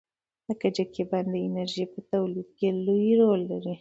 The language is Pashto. د کجکي بند د انرژۍ په تولید کې لوی رول لري.